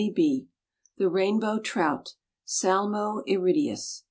] THE RAINBOW TROUT. (Salmo irideus.)